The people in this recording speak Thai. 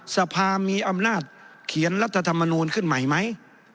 สภามีอำนาจเขียนรัฐธรรมนูลขึ้นใหม่ไหม